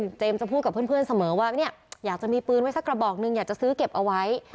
เจมส์จะพูดกับเพื่อนเสมอว่าเนี่ยอยากจะมีปืนไว้สักกระบอกนึงอยากจะซื้อเก็บเอาไว้